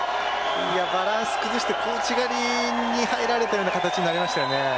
バランス崩して小内刈りに入られたような形でしたよね。